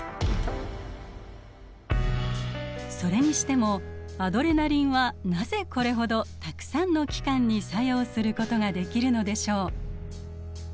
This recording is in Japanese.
それにしてもアドレナリンはなぜこれほどたくさんの器官に作用することができるのでしょう？